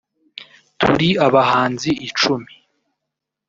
turi abahanzi icumi